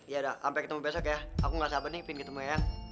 yaudah sampai ketemu besok ya aku gak sabar nih ingin ketemu ya